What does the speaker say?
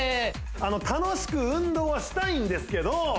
あの楽しく運動はしたいんですけど